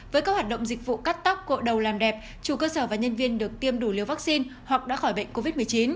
với các hoạt động dịch vụ cắt tóc cội đầu làm đẹp chủ cơ sở và nhân viên được tiêm đủ liều vaccine hoặc đã khỏi bệnh covid một mươi chín